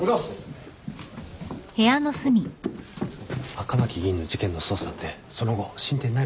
赤巻議員の事件の捜査ってその後進展ないのか？